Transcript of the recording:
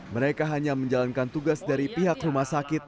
mereka hanya menjalankan tugas dari pihak rumah sakit